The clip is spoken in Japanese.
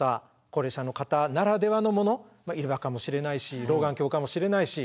高齢者の方ならではのもの入れ歯かもしれないし老眼鏡かもしれないし。